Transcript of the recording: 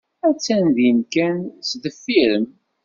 Attan din kan sdeffir-m.